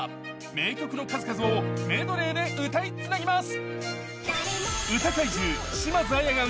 名曲の数々をメドレーで歌いつなぎます。